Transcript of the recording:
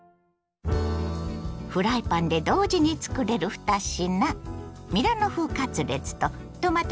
フライパンで同時につくれる２品。